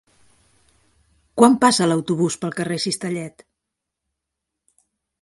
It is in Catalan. Quan passa l'autobús pel carrer Cistellet?